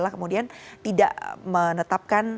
kemudian tidak menetapkan